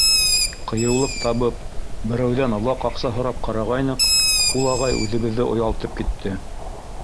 Ҡыйыулыҡ табып, берәүҙән ваҡ аҡса һорап ҡарағайныҡ, ул ағай үҙебеҙҙе оялтып китте.